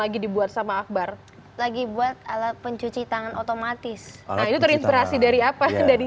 lagi dibuat sama akbar lagi buat alat pencuci tangan otomatis nah itu terinspirasi dari apa dari